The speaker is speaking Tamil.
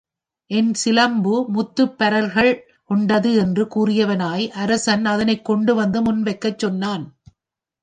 எம் சிலம்பு முத்துப்பரல்கள் கொண்டது என்று கூறியவனாய் அரசன் அதனைக் கொண்டு வந்து முன் வைக்கச் சொன்னான்.